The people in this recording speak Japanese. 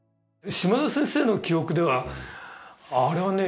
島田先生の記憶ではあれはね